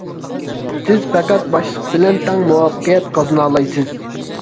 سىز پەقەت باشلىق بىلەن تەڭ مۇۋەپپەقىيەت قازىنالايسىز.